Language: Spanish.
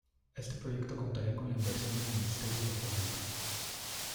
Este proyecto contaría con la inversión del Ministerio de Fomento.